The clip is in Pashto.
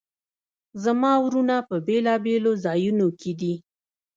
زما وروڼه په بیلابیلو ځایونو کې دي